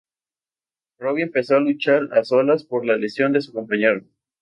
Robbie empezó a luchar a solas, por la lesión de su compañero.